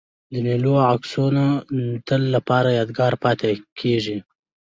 د مېلو عکسونه د تل له پاره یادګار پاته کېږي.